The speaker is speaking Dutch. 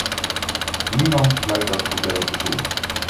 Niemand lijkt dat probleem te zien.